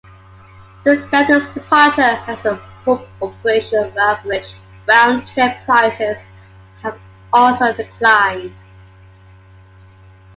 Since Delta's departure as a hub operation, average round trip prices have also declined.